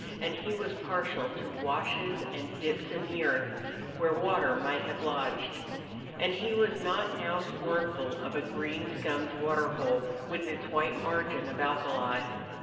And he was partial to washes and dips in the earth where water might have lodged. And he was not now scornful of a green scummed water hole with its white margin of alkali.